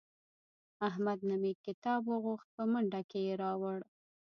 احمد نه مې کتاب وغوښت په منډه کې یې راوړ.